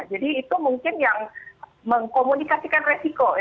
jadi itu mungkin yang mengkomunikasikan resiko